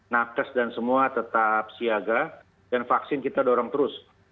naktes dan semua tetap siaga dan vaksin kita dorong terus